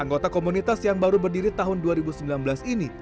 anggota komunitas yang baru berdiri tahun dua ribu sembilan belas ini